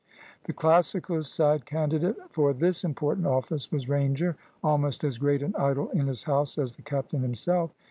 The Classical side candidate for this important office was Ranger, almost as great an idol in his house as the captain himself.